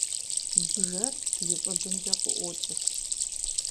Бжэр и щӏыбымкӏэ къыӏуокӏыр.